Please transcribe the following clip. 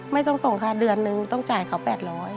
ไม่ต้องส่งค่ะเดือนนึงต้องจ่ายเขา๘๐๐บาท